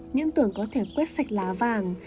nhưng tưởng có thể quét sạch lá vàng